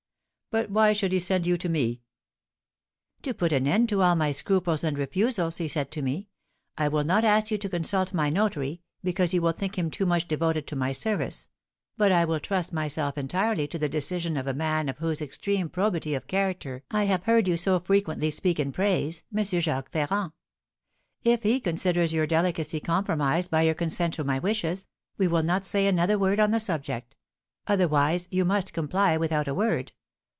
"But why should he send you to me?" "To put an end to all my scruples and refusals, he said to me, 'I will not ask you to consult my notary, because you will think him too much devoted to my service; but I will trust myself entirely to the decision of a man of whose extreme probity of character I have heard you so frequently speak in praise, M. Jacques Ferrand. If he considers your delicacy compromised by your consent to my wishes, we will not say another word on the subject; otherwise, you must comply without a word.'